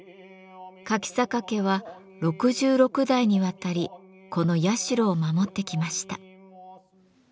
柿坂家は六十六代にわたりこの社を守ってきました。